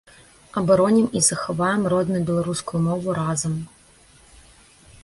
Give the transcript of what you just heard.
Абаронім і захаваем родную беларускую мову разам!